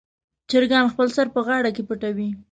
چرګان خپل سر په غاړه کې پټوي.